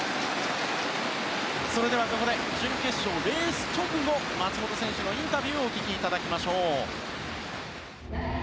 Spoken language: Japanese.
それでは、ここで準決勝レース直後の松元選手のインタビューをお聞きいただきましょう。